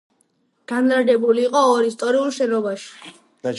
განლაგებული იყო ორ ისტორიულ შენობაში.